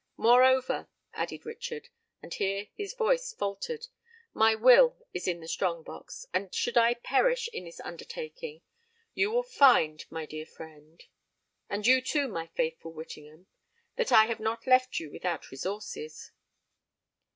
Moreover," added Richard,—and here his voice faltered,—"my will is in the strong box; and should I perish in this undertaking, you will find, my dear friend,—and you too, my faithful Whittingham,—that I have not left you without resources."